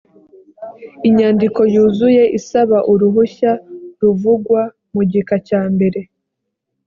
inyandiko yuzuye isaba uruhushya ruvugwa mu gika cyambere